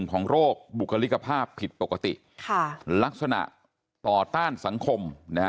ของโรคบุคลิกภาพผิดปกติลักษณะต่อต้านสังคมนะฮะ